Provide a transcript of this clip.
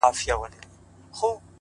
پوهه د انسان ارزښت لا لوړوي!